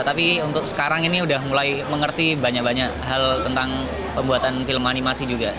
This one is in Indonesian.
tapi untuk sekarang ini udah mulai mengerti banyak banyak hal tentang pembuatan film animasi juga